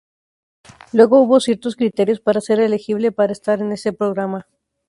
Luego hubo ciertos criterios para ser elegible para estar en este programa.